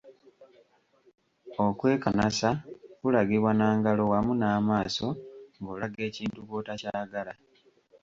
Okwekanasa kulagibwa na ngalo wamu n'amaaso ng'olaga ekintu bwotakyagala.